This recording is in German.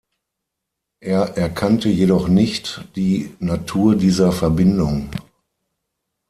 Er erkannte jedoch nicht die Natur dieser Verbindung.